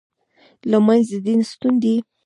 لمونځ د دین ستون دی